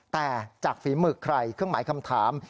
แต่จากฝีมือใครเครื่องหมายคำถาม